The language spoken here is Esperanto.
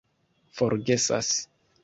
forgesas